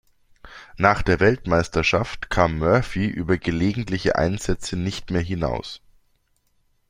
Nach der Weltmeisterschaft kam Murphy über gelegentliche Einsätze nicht mehr hinaus.